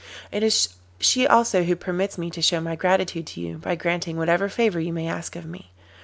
It is she also who permits me to show my gratitude to you by granting whatever favour you may ask of me.